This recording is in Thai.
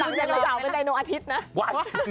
หลังไดโนเสาร์เป็นไดโนอาทิตย์นะ